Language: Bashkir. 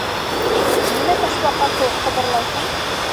Нимә ташбаҡа кеүек ҡыбырлайһың?!